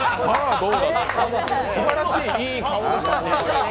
すばらしい、いい顔でした。